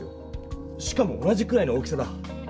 しかも同じくらいの大きさだ。